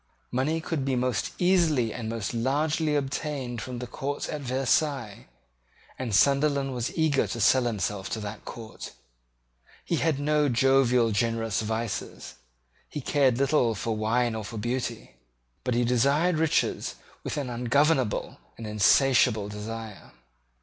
Money could be most easily and most largely obtained from the court of Versailles; and Sunderland was eager to sell himself to that court. He had no jovial generous vices. He cared little for wine or for beauty: but he desired riches with an ungovernable and insatiable desire.